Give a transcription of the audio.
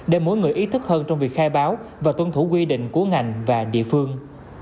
để mỗi người ý thức hơn trong việc khai báo và tuân thủ quy định của ngành và địa phương